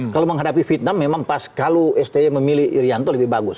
kalau menghadapi vietnam memang pas kalau sti memilih irianto lebih bagus